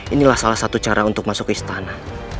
inilah salah satu cara untuk masuk ke istana